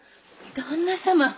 旦那様。